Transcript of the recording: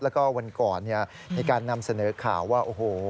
แล้วก็วันก่อนในการนำเสนอข่าวว่า